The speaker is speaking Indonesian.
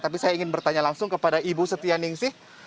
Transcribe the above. tapi saya ingin bertanya langsung kepada ibu setia ningsih